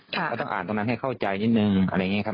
ก็ต้องอ่านตรงนั้นให้เข้าใจนิดนึงอะไรอย่างนี้ครับ